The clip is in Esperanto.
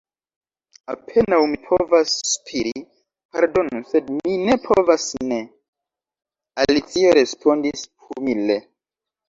"Apenaŭ mi povas spiri." "Pardonu, sed mi ne povas ne," Alicio respondis humile.